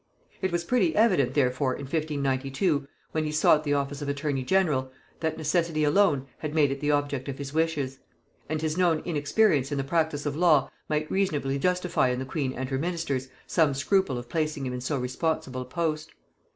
It was pretty evident therefore in 1592, when he sought the office of attorney general, that necessity alone had made it the object of his wishes; and his known inexperience in the practice of the law might reasonably justify in the queen and her ministers some scruple of placing him in so responsible a post.